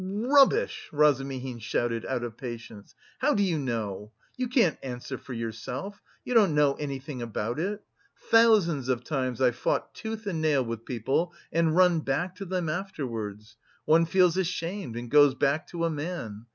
"R rubbish!" Razumihin shouted, out of patience. "How do you know? You can't answer for yourself! You don't know anything about it.... Thousands of times I've fought tooth and nail with people and run back to them afterwards.... One feels ashamed and goes back to a man!